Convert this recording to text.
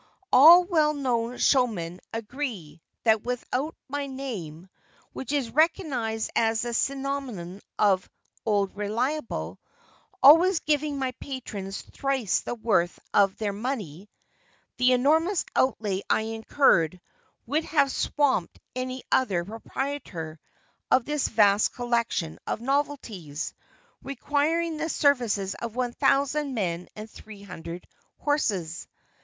All well known showmen agree that without my name, which is recognized as the synonym of "OLD RELIABLE always giving my patrons thrice the worth of their money," the enormous outlay I incurred would have swamped any other proprietor of this vast collection of novelties, requiring the services of 1,000 men and 300 horses.